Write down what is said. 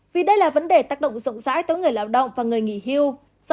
vì đây là vấn đề tác động rộng rãi tới người lào đông và người nghỉ hưu